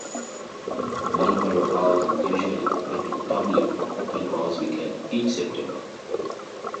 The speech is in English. Marlborough House is usually open to the public for Open House Weekend each September.